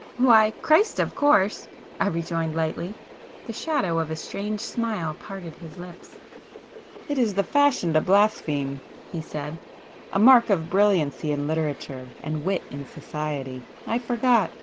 "Why, Christ of course!" I rejoined lightly. The shadow of a strange smile parted his lips. "It is the fashion to blaspheme!" he said,—"A mark of brilliancy in literature, and wit in society! I forgot!